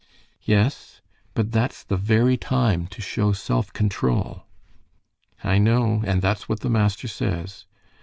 "Yes, but that's the very time to show self control." "I know. And that's what the master says."